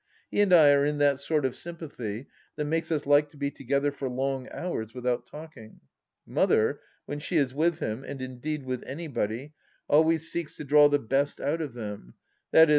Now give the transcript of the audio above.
He and I are in that sort of sympathy that makes us like to be together for long hours without talking. Mother, when she is with him, and indeed with anybody, always seeks to draw the best out of them, i.e.